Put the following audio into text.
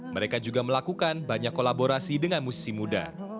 mereka juga melakukan banyak kolaborasi dengan musisi muda